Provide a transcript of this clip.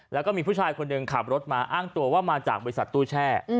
แล้วก็มีผู้ชายคนหนึ่งขับรถมาอ้างตัวว่ามาจากบริษัทตู้แช่